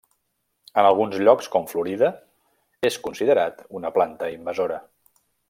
En alguns llocs com Florida, és considerat una planta invasora.